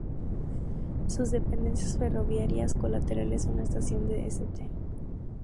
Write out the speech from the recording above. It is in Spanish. Sus dependencias ferroviarias colaterales son la estación de St.